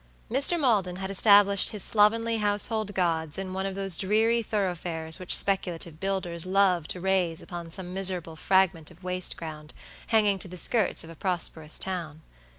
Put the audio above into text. Mr. Maldon had established his slovenly household gods in one of those dreary thoroughfares which speculative builders love to raise upon some miserable fragment of waste ground hanging to the skirts of a prosperous town.